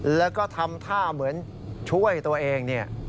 แล้วก็ทำท่าเหมือนช่วยตัวเองเนี่ย